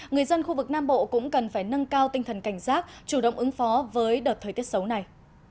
người dân khu vực nam bộ cũng cần phải nâng cao tinh thần cảnh giác chủ động ứng phó với đợt thời tiết xấu này